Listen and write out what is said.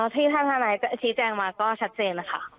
ที่ท่านท่านายชี้แจ้งมาก็ชัดเจนแล้วค่ะ